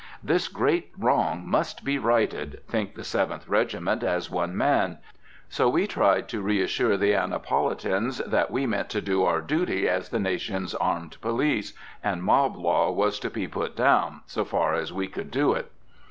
"This great wrong must be righted," think the Seventh Regiment, as one man. So we tried to reassure the Annapolitans that we meant to do our duty as the nation's armed police, and mob law was to be put down, so far as we could do it.